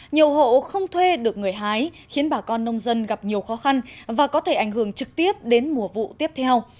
nhiều hộ không thuê được người hái khiến bà con nông dân gặp nhiều khó khăn và có thể ảnh hưởng trực tiếp đến mùa vụ tiếp theo